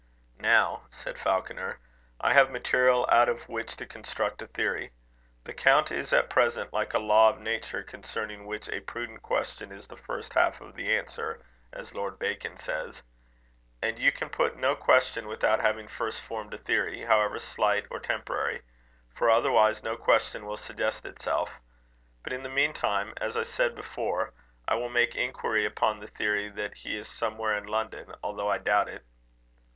"Now," said Falconer, "I have material out of which to construct a theory. The count is at present like a law of nature concerning which a prudent question is the first half of the answer, as Lord Bacon says; and you can put no question without having first formed a theory, however slight or temporary; for otherwise no question will suggest itself. But, in the meantime, as I said before, I will make inquiry upon the theory that he is somewhere in London, although I doubt it."